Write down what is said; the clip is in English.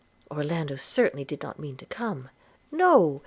– Orlando certainly did not mean to come – no!